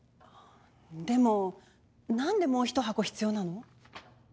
でも何でもうひと箱必要なの？